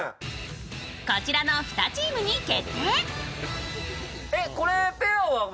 こちらの２チームに決定。